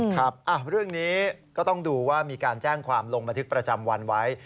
ครับเรื่องนี้ก็ต้องดูว่ามีการแจ้งความลงบันทึกประจำวันไว้